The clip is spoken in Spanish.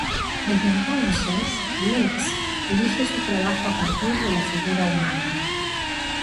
Desde entonces, Letts erige su trabajo a partir de la figura humana.